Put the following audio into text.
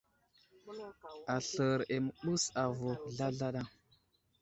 Aslər i məɓəs avuhw zlazlaɗa.